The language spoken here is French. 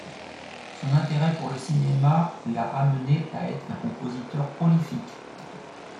Son intérêt pour le cinéma l'a amené à être un compositeur prolifique.